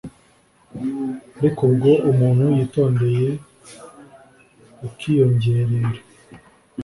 ariko ubwo umuntu yitondeye bukiyongera